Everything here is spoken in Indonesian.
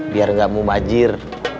biar tidak mau majir